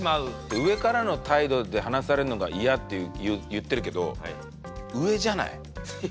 「上からの態度で話されるのが嫌」って言ってるけど上じゃない？